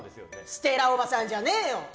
ステラおばさんじゃねーよ！